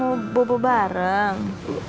mau bobok bareng